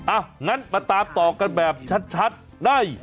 อ่ะงั้นมาตามต่อกันแบบชัดได้